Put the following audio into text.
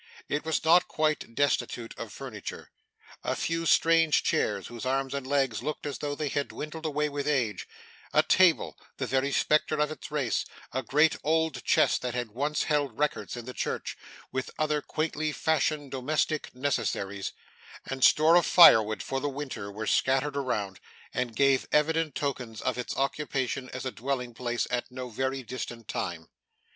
It was not quite destitute of furniture. A few strange chairs, whose arms and legs looked as though they had dwindled away with age; a table, the very spectre of its race: a great old chest that had once held records in the church, with other quaintly fashioned domestic necessaries, and store of fire wood for the winter, were scattered around, and gave evident tokens of its occupation as a dwelling place at no very distant time.